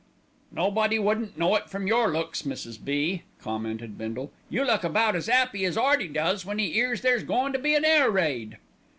"Nobody wouldn't know it from your looks, Mrs. B.," commented Bindle. "You look about as 'appy as 'Earty does when 'e 'ears there's goin' to be an air raid."